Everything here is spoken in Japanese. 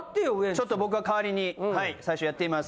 ちょっと僕が代わりにはい最初やってみます。